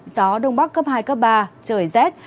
gió đông bắc cấp hai ba trời rét